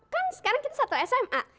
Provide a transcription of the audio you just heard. kan sekarang kita satu sma